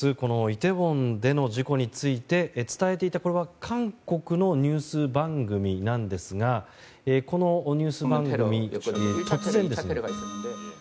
イテウォンでの事故について伝えていた韓国のニュース番組なんですがこのニュース番組、突然。